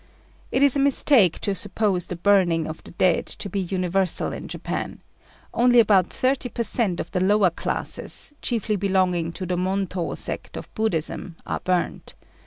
It is a mistake to suppose the burning of the dead to be universal in Japan: only about thirty per cent of the lower classes, chiefly belonging to the Montô sect of Buddhism, are burnt.